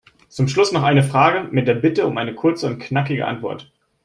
Zum Schluss noch eine Frage mit der Bitte um eine kurze und knackige Antwort.